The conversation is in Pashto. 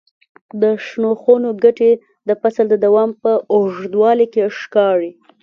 د شنو خونو ګټې د فصل د دوام په اوږدوالي کې ښکاري.